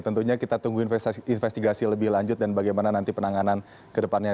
tentunya kita tunggu investigasi lebih lanjut dan bagaimana nanti penanganan ke depannya